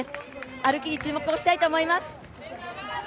歩きに注目をしたいと思います。